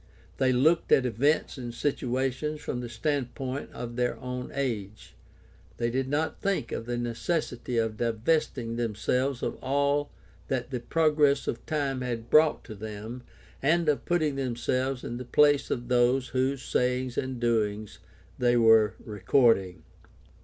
They looked at events and situations from the standpoint of their own age. They did not think of the necessity of divesting themselves of all that the progress of time had brought to them and of putting themselves in the place of those whose sayings and doings they were recording.